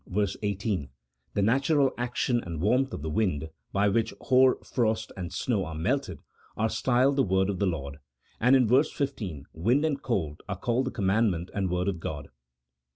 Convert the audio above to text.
18, the natural action and warmth of the wind, by which hoar frost and snow are melted, are styled the word of the Lord, and in verse 15 wind and cold are called the commandment and word of God.